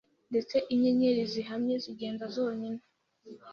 Ndetse inyenyeri zihamye zigenda zonyine.